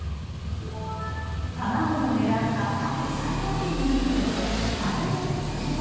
卵の値段が過去最高値になったことであれも、これも。